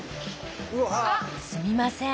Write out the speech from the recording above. すみません。